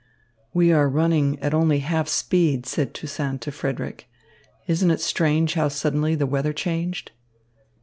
"We are running at only half speed," said Toussaint to Frederick. "Isn't it strange how suddenly the weather changed?"